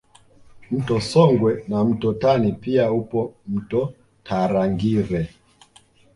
Mto Songwe na mto Tani pia upo mto Tarangire